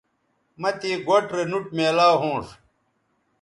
مہ تے گوٹھ رے نوٹ میلاو ھونݜ